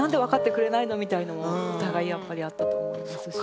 そうですねお互いやっぱりあったと思いますし。